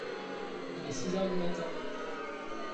Il est six heures du matin.